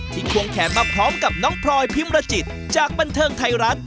ควงแขนมาพร้อมกับน้องพลอยพิมรจิตจากบันเทิงไทยรัฐ